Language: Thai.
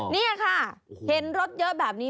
นี่ค่ะเห็นรถเยอะแบบนี้